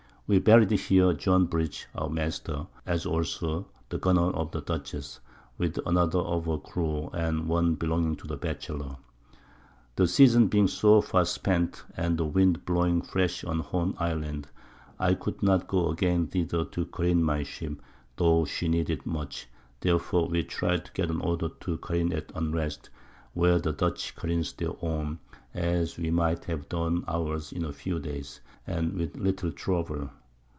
We buried here John Bridge our Master, as also the Gunner of the Dutchess, with another of her Crew, and one belonging to the Batchelor. The Season being so far spent, and the Wind blowing fresh on Horn Island, I could not go again thither to careen my Ship, tho' she needed it much; therefore we try'd to get an Order to careen at Unrest, where the Dutch careen their own, as we might have done ours, in a few Days, and with little Trouble.